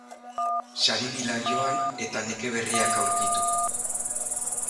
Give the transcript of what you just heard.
Sari bila joan eta neke berriak aurkitu.